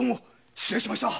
失礼しました。